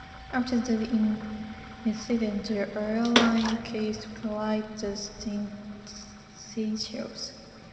After the incident, the airline ceased flights to the Seychelles.